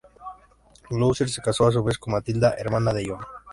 Gloucester se casó a su vez con Matilda, hermana de John.